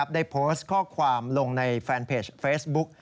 ได้โพสต์ข้อความลงในแฟนเพจเฟซบุ๊ก